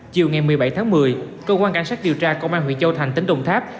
chiều ngày một mươi bảy tháng một mươi cơ quan cảnh sát điều tra công an huyện châu thành tỉnh đồng tháp